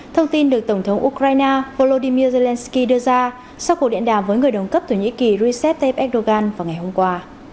thông tin được tổng thống ukraine volodymyr zelensky đưa ra sau cuộc điện đàm với người đồng cấp thổ nhĩ kỳ rusev tepedogan vào ngày hôm qua